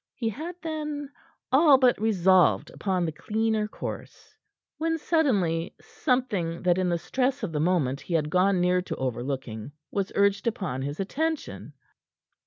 He had, then, all but resolved upon the cleaner course, when, suddenly, something that in the stress of the moment he had gone near to overlooking, was urged upon his attention.